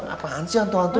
apaan sih hantu hantu